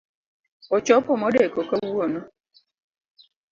Ochopo modeko kawuono